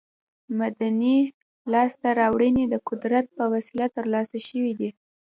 مدني لاسته راوړنې د قدرت په وسیله تر لاسه شوې دي.